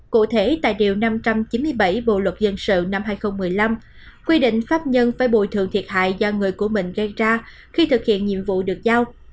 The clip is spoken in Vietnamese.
cụ thể tại điều năm trăm chín mươi bảy bộ luật dân sự năm hai nghìn một mươi năm quy định pháp nhân phải bồi thường thiệt hại do người của mình gây ra khi thực hiện nhiệm vụ được giao